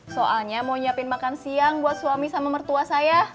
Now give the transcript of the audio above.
soalnya mau nyiapin makan siang buat suami sama mertua saya